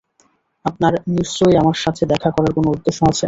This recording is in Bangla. আপনার নিশ্চয়ই আমার সাথে দেখা করার কোন উদ্দেশ্য আছে?